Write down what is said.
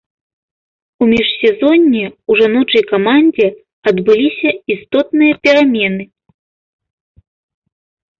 У міжсезонне ў жаночай камандзе адбыліся істотныя перамены.